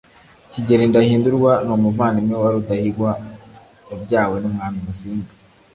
Kigeli Ndahindurwa ni umuvandimwe wa Rudahigwa yabyawe n’Umwami Musinga